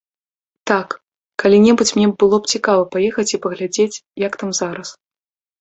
Так, калі-небудзь мне было б цікава паехаць і паглядзець, як там зараз.